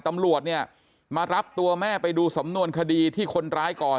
ตำรวจเนี่ยมารับตัวแม่ไปดูสำนวนคดีที่คนร้ายก่อน